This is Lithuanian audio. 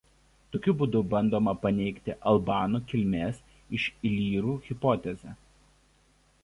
Tokiu būdu bandoma paneigti albanų kilmės iš ilyrų hipotezę.